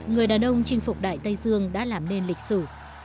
người đàn ông chinh phục đại tây dương đã làm nên lịch sử